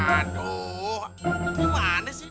aduh ini mana sih